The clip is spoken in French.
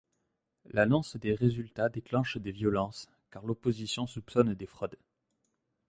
L'annonce des résultats déclenche des violences, car l'opposition soupçonne des fraudes.